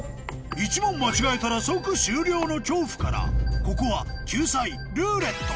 １問間違えたら即終了の恐怖からここは救済「ルーレット」